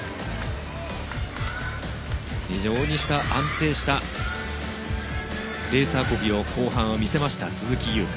非常に安定したレース運びを後半は見せた鈴木優花。